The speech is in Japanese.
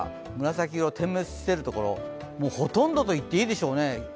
紫色、点滅しているところ、ほとんど言っていいでしょうね。